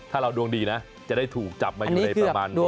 ถ้าเราดวงดีนะจะได้ถูกจับมาอยู่ในประมาณนี้